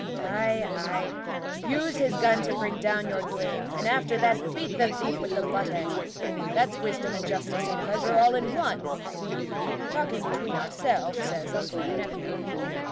"Ay, ay, use his gun to bring down your game, and after that, beat the thief with the butt end. That's wisdom and justice and pleasure all in one talking between ourselves as uncle and nephew.